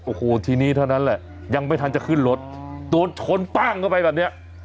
โอ้โหทีนี้เท่านั้นแหละยังไม่ทันจะขึ้นรถโดนชนปั้งเข้าไปแบบเนี้ย